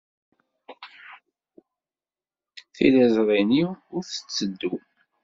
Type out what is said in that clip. Tiliẓri-nni ur tetteddu.